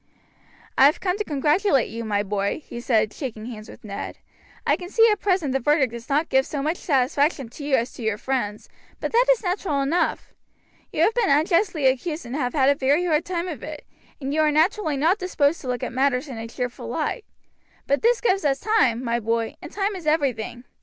"I have come to congratulate you, my boy," he said, shaking hands with Ned. "I can see that at present the verdict does not give so much satisfaction to you as to your friends, but that is natural enough. You have been unjustly accused and have had a very hard time of it, and you are naturally not disposed to look at matters in a cheerful light; but this gives us time, my boy, and time is everything.